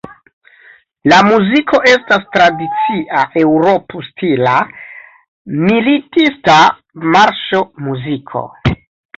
La muziko estas tradicia eŭrop-stila militista marŝo-muziko.